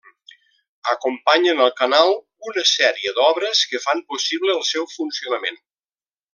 Acompanyen el canal una sèrie d'obres que fan possible el seu funcionament.